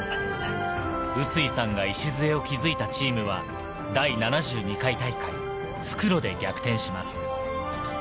碓井さんが礎を築いたチームは第７２回大会復路で逆転します。